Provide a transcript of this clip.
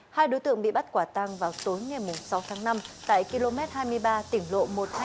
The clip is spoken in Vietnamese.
hai đối tượng bị bắt quả tăng vào tối ngày sáu tháng năm tại km hai mươi ba tỉnh lộ một trăm hai mươi năm